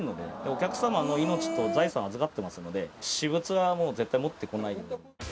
お客様の命と財産を預かってますので、私物は絶対持ってこない。